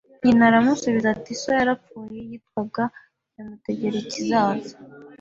Nyina aramusubiza ati So yarapfuye yitwaga Nyamutegerikizaza